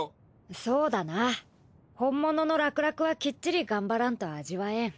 そうだな本物の楽々はきっちり頑張らんと味わえん。